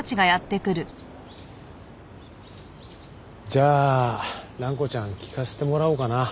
じゃあ蘭子ちゃん聞かせてもらおうかな